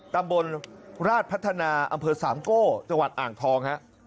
ตำบลราชพัฒนาอำเภอสามโก้จังหวัดอ่างทองฮะ